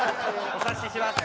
お察しします。